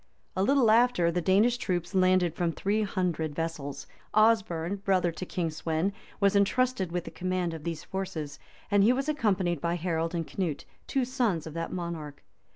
A little after, the Danish troops landed from three hundred vessels: Osberne, brother to King Sweyn, was intrusted with the command of these forces, and he was accompanied by Harold and Canute, two sons of that monarch.